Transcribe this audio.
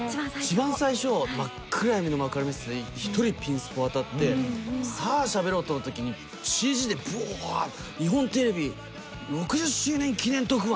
一番最初真っ暗闇の幕張メッセで１人ピンスポ当たってさぁしゃべろうと思った時にＣＧでブワ「日本テレビ６０周年記念特番」